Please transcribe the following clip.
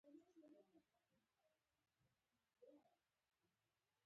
ټول نږدې ولاړ وو او له منځه وړل یې اسانه وو